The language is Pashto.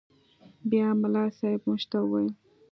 بيا ملا صاحب موږ ته وويل.